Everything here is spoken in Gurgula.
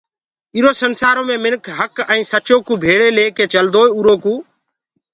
ايٚرو سنسآرو مي مِنک هَڪ ائيٚنٚ سچو ڪوٚ ڀيݪي ليڪي چلدوئي اُرو ڪوٚ